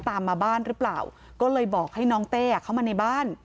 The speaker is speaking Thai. ตามมาบ้านหรือเปล่าก็เลยบอกให้น้องเต้เข้ามาในบ้าน